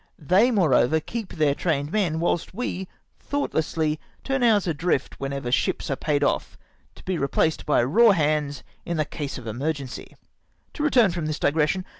They moreover keep their trained men, whilst we thoughtlessly turn ours adi"ift whenever ships are paid off — to be replaced by raw hands in case of emergency ! To retm''n from this digression.